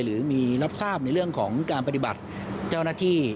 หรือมีรับทราบในเรื่องของการปฏิบัติเจ้าหน้าที่